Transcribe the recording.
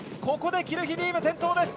ここでキルヒビーム転倒。